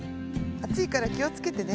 あついからきをつけてね。